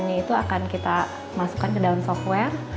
ini itu akan kita masukkan ke dalam software